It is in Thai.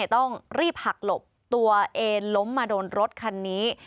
ต้องรีบหักหลบตัวเองล้มมาโดนรถคันนี้